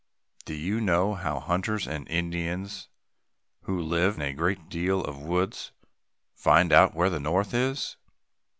Do you know how hunters and Indians who live a great deal in the woods find out where the north is?